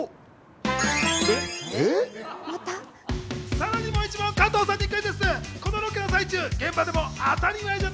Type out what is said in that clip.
さらにもう一問、加藤さんにクイズッス！